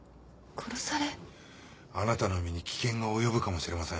あなたの身に危険が及ぶかもしれません。